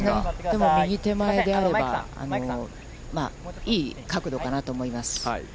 でも、右手前であれば、いい角度かなと思います。